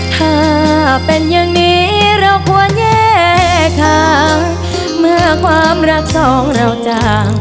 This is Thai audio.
ถ้าเป็นอย่างนี้เราควรแยกทางเมื่อความรักสองเราจาง